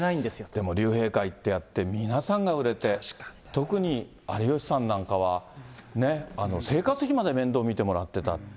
でも、竜兵会ってやって、皆さんが売れて、特に有吉さんなんかはね、生活費まで面倒見てもらってた。